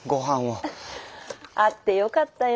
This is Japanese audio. あってよかったよ。